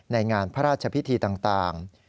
ในงานพระราชพิธีต่าง